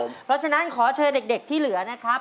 เพราะฉะนั้นขอเชิญเด็กที่เหลือนะครับ